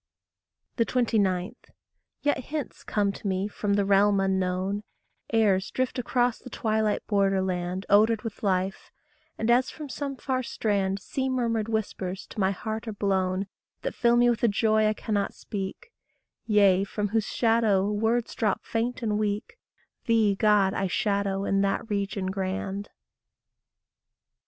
29. Yet hints come to me from the realm unknown; Airs drift across the twilight border land, Odoured with life; and as from some far strand Sea murmured, whispers to my heart are blown That fill me with a joy I cannot speak, Yea, from whose shadow words drop faint and weak: Thee, God, I shadow in that region grand.